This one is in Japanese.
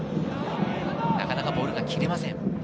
なかなかボールが切れません。